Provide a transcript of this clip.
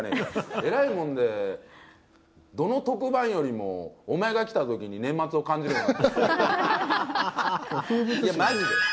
えらいもんで、どの特番よりも、お前が来たときに年末を感じるようになったよ。